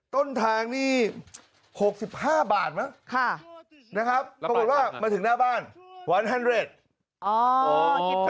ต้นทางนี่๖๕บาทมั้ยปรากฏว่ามาถึงหน้าบ้าน๑๐๐บาท